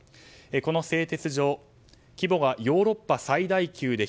この製鉄所規模がヨーロッパ最大級で